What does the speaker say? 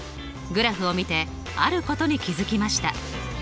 グラフを見てあることに気付きました。